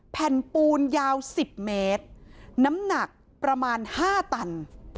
แผ่นปูนยาว๑๐เมตรน้ำหนักประมาณ๕ตัน